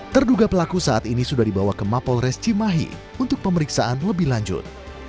terduga pelaku saat ini sudah dibawa ke mapolres cimahi untuk pemeriksaan lebih lanjut